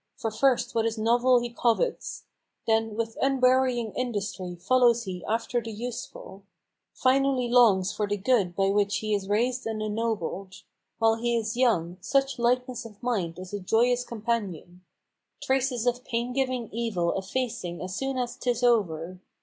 For first what is novel he covets; Then with unwearying industry follows he after the useful; Finally longs for the good by which he is raised and ennobled. While he is young, such lightness of mind is a joyous companion, Traces of pain giving evil effacing as soon as 'tis over.